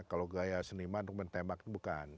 kalau gaya seniman untuk mentembak itu bukan